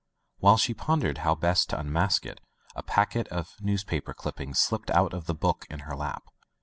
While she pondered how best to unmask it, a packet of news paper clippings slipped out of the book in her lap.